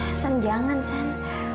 aksan jangan san